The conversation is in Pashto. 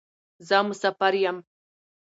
زه مسافر یم.